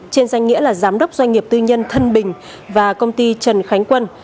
trên danh nghĩa là giám đốc doanh nghiệp tư nhân thân bình và công ty trần khánh quân